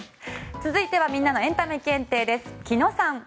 続いてはみんなのエンタメ検定です。